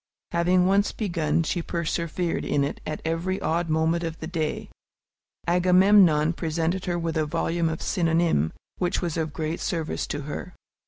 Having once begun, she persevered in it at every odd moment of the day. Agamemnon presented her with a volume of "Synonymes," which was of great service to her.